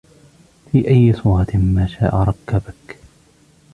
فِي أَيِّ صُورَةٍ مَا شَاءَ رَكَّبَكَ